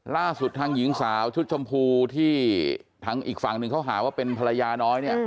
ล่าสุดทางหญิงสาวชุดชมพูที่ทางอีกฝั่งหนึ่งเขาหาว่าเป็นภรรยาน้อยเนี่ย